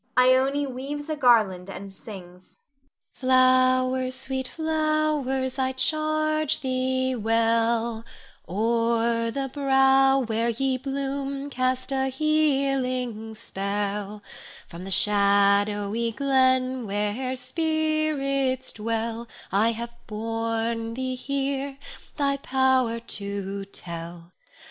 _ Ione weaves a garland and sings. Flowers, sweet flowers, I charge thee well, O'er the brow where ye bloom cast a healing spell; From the shadowy glen where spirits dwell, I have borne thee here, thy power to tell.